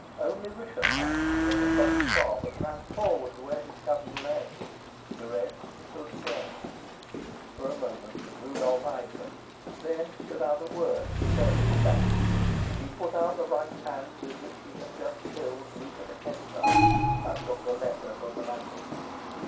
Only Rischenheim gave a sudden sob and ran forward to where his cousin lay. The rest stood staring. For a moment Rudolf eyed them. Then, without a word, he turned his back. He put out the right hand with which he had just killed Rupert of Hentzau, and took the letter from the mantelpiece.